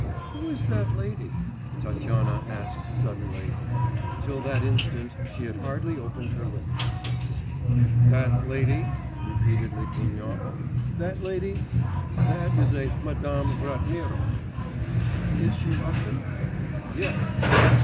'Who is that lady?' Tatyana asked suddenly. Till that instant she had hardly opened her lips. 'That lady?' repeated Litvinov, 'that lady? That is a Madame Ratmirov.' 'Is she Russian?' 'Yes.